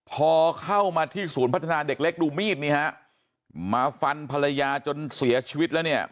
พอเข้ามาที่ศูนย์พัฒนาเด็กเล็กดูมีดนี่ฮะมาฟันภรรยาจนเสียชีวิตแล้วเนี่ย